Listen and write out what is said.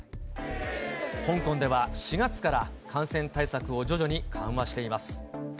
香港では４月から、感染対策を徐々に緩和しています。